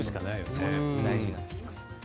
それが大事になってきます。